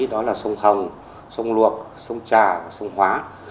đó là sông hồng sông luộc sông trà và sông hóa